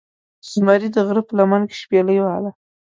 زمرې دغره په لمن کې شپیلۍ وهله